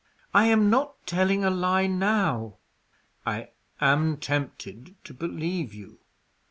"I am not telling a lie now." "I am tempted to believe you.